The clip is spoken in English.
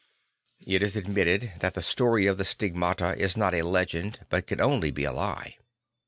I t is admitted that the story of the Stigmata is not a legend but can only be a lie.